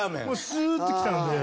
スーッて来たので。